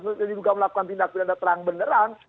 diduga melakukan tindak pidana terang beneran